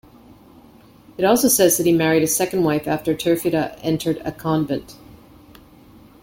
It also says that he married a second wife after Turfida entered a convent.